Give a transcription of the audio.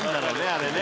あれね。